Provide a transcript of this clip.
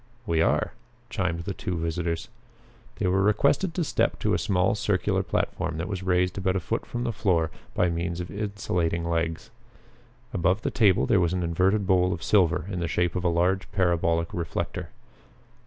"We are," chimed the two visitors. They were requested to step to a small circular platform that was raised about a foot from the floor by means of insulating legs. Above the table there was an inverted bowl of silver in the shape of a large parabolic reflector.